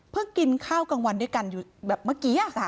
กินข้าวกลางวันด้วยกันอยู่แบบเมื่อกี้